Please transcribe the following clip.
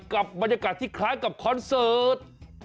กับบรรยากาศที่คล้ายกับคอนเสิร์ต